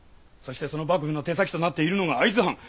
そしてその幕府の手先となっているのが会津藩。